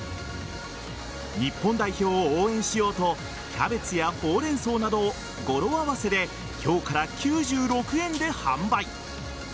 日本代表を応援しようとキャベツやホウレンソウなどを語呂合わせで今日から９６円で販売。